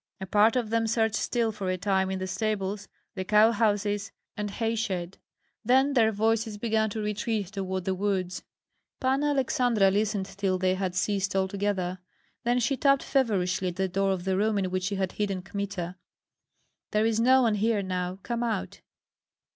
A part of them searched still for a time in the stables, the cow houses, and hay shed; then their voices began to retreat toward the woods. Panna Aleksandra listened till they had ceased altogether; then she tapped feverishly at the door of the room in which she had hidden Kmita. "There is no one here now, come out."